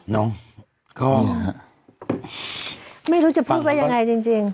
น้องก็ไม่รู้จะพูดว่ายังไงจริง